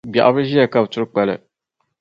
Gbɛɣu bi ʒia ka bɛ turi kpali.